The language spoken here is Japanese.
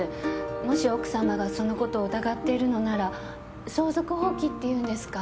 もし奥さまがそのことを疑っているのなら相続放棄っていうんですか？